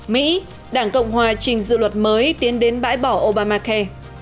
mỹ đảng cộng hòa trình dự luật mới tiến đến bãi bỏ obamacare